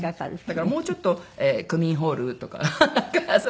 だからもうちょっと区民ホールとかなんかそういう感じ。